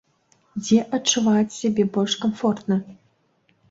Дзе адчуваеце сябе больш камфортна?